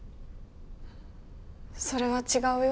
それは違うよ。